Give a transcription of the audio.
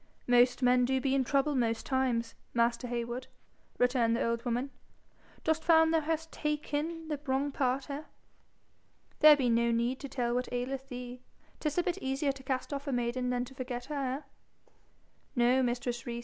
'Most men do be in trouble most times, master Heywood,' returned the old woman. 'Dost find thou hast taken the wrong part, eh? There be no need to tell what aileth thee. 'Tis a bit easier to cast off a maiden than to forget her eh?' 'No, mistress Rees.